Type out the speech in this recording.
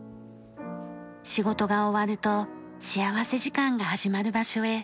仕事が終わると幸福時間が始まる場所へ急ぎます。